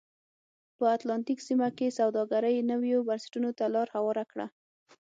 په اتلانتیک سیمه کې سوداګرۍ نویو بنسټونو ته لار هواره کړه.